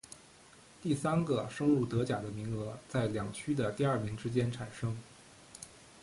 第三个升入德甲的名额在两区的第二名之间产生。